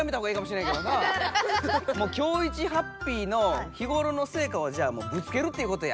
もう「キョウイチハッピー」の日ごろのせいかをじゃあぶつけるっていうことや。